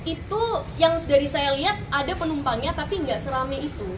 itu yang dari saya lihat ada penumpangnya tapi nggak seramai itu